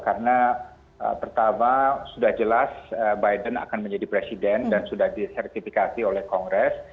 karena pertama sudah jelas biden akan menjadi presiden dan sudah disertifikasi oleh kongres